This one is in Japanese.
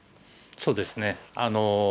そうですね。